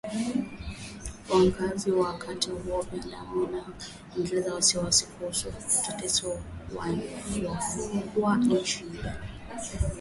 Uangalizi wa haki za binadamu inaelezea wasiwasi kuhusu kuteswa wafungwa nchini Uganda.